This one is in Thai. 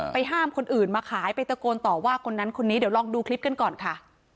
ห้ามคนอื่นมาขายไปตะโกนต่อว่าคนนั้นคนนี้เดี๋ยวลองดูคลิปกันก่อนค่ะ